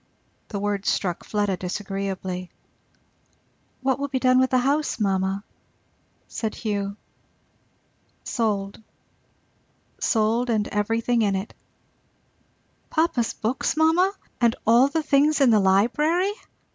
The words struck Fleda disagreeably. "What will be done with the house, mamma?" said Hugh. "Sold sold, and everything in it." "Papa's books, mamma! and all the things in the library!"